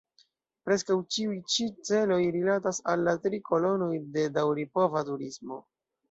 Preskaŭ ĉiuj-ĉi celoj rilatas al la tri kolonoj de daŭripova turismo.